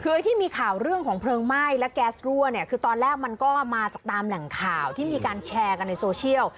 คือไอ้ที่มีข่าวเรื่องของเพลิงไหม้และแก๊สรั่วเนี่ยคือตอนแรกมันก็มาจากตามแหล่งข่าวที่มีการแชร์กันในโซเชียล